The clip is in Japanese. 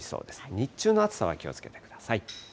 日中の暑さは気をつけてください。